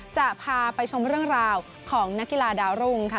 จะพาไปชมเรื่องราวของนักกีฬาดาวรุ่งค่ะ